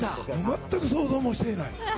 全く想像もしていない。